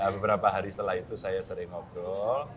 beberapa hari setelah itu saya sering ngobrol